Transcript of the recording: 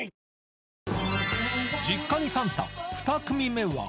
実家にサンタ２組目は。